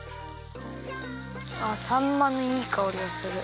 あっさんまのいいかおりがする。